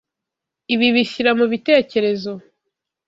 Ibi bishyira mubitekerezo.